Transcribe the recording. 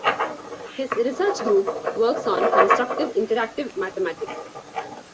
His research group works on Constructive Interactive Mathematics.